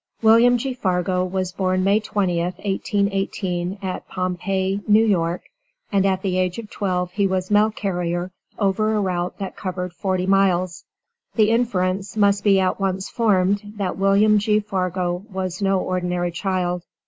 William G. Fargo was born May 20, 1818, at Pompey, New York, and at the age of twelve he was mail carrier over a route that covered forty miles. The inference must be at once formed that William G. Fargo was no ordinary child.